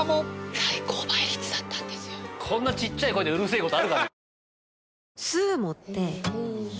こんなちっちゃい声でうるせえことあるかね？